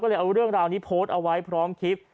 ก็เลยเอาเรื่องราวนี้โพสต์เอาไว้พร้อมคลิป